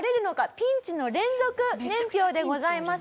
ピンチの連続年表」でございます。